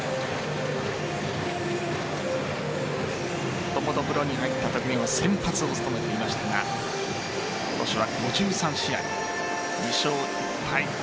もともとプロに入ったときには先発を務めていましたが今年は５３試合２勝１敗、１１